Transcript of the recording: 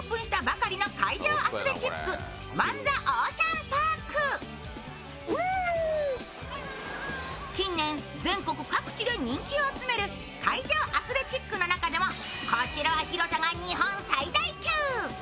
リポートするのは近年全国各地で人気を集める海上アスレチックの中でもこちらは広さが日本最大級。